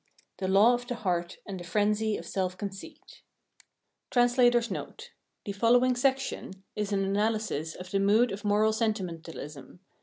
The Law of the Heart, and the Frenzy OF Self conceit [The following section is an analysis of the mood of moral Senti mentalism.